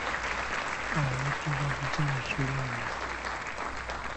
Ayitibwa Jimmy Kirunda.